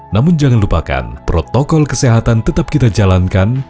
namun jangan lupakan protokol kesehatan tetap kita jalankan